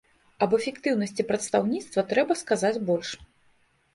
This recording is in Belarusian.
Аб эфектыўнасці прадстаўніцтва трэба сказаць больш.